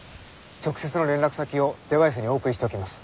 直接の連絡先をデバイスにお送りしておきます。